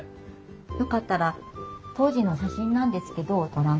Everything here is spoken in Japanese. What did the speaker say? よかったら当時の写真なんですけどご覧ください。